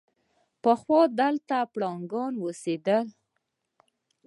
چې پخوا دلته پړانګان اوسېدل.